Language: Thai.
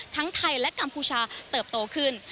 ทั้งไทยและกัมพูชาเติบโตขึ้น